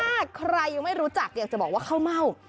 ถ้าใครยังไม่รู้จักอยากจะบอกว่าข้าวเม่า